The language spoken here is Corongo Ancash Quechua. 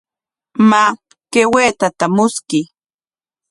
Maa, kay waytata mushkuy.